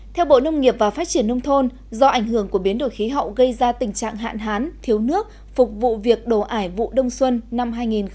theo bộ nông nghiệp và phát triển nông thôn do ảnh hưởng của biến đổi khí hậu gây ra tình trạng hạn hán thiếu nước phục vụ việc đổ ải vụ đông xuân năm hai nghìn hai mươi